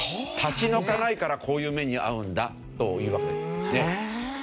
立ち退かないからこういう目に遭うんだというわけねっ。